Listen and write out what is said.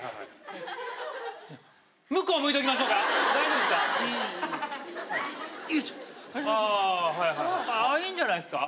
向こう向いておきましょうか。